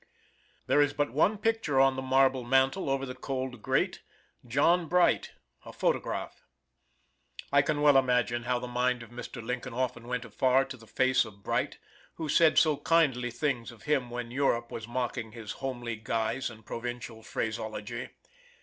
There is but one picture on the marble mantel over the cold grate John Bright, a photograph. I can well imagine how the mind of Mr. Lincoln often went afar to the face of Bright, who said so kindly things of him when Europe was mocking his homely guise and provincial phraseology.